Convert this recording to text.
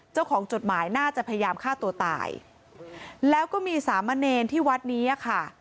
จดหมายน่าจะพยายามฆ่าตัวตายแล้วก็มีสามเณรที่วัดนี้ค่ะ